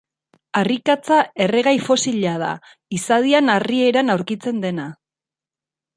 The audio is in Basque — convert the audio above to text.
Harrikatza erregai fosila da, izadian harri eran aurkitzen dena.